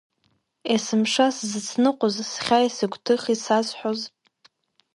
Есымша сзыцныҟәоз, схьааи сыгәҭыхеи засҳәоз?